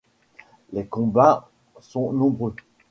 Les combats sont nombreux.